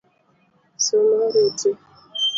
Somo riti.